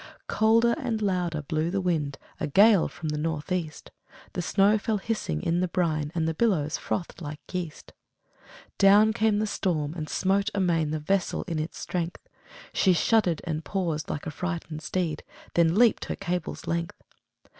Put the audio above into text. Colder and louder blew the wind, A gale from the North east; The snow fell hissing in the brine, And the billows frothed like yeast. Down came the storm, and smote amain The vessel in its strength; She shudder'd and paused, like a frighted steed, Then leap'd her cable's length.